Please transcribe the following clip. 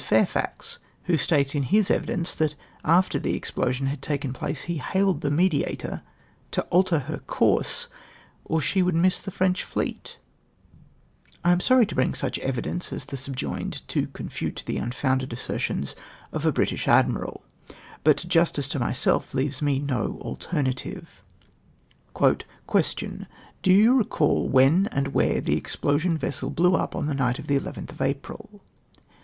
Fau'fax, who states in his evidence that after the explosion had taken place he " hailecl the Mediator to alter her COURSE, OR SHE WOULD MISS THE FrEXCH FLEET !! I am sorry to brinor such evidence as the subjoined CONTRADICTED BY JIR. FAIRFAX. 77 to confute the uiifoiiiided assertions of a British admiral, but justice to myself leaves me no alternative. Question. —" Do you recollect when and where the expl(j sion vessel hlew up on the night of the 11th of April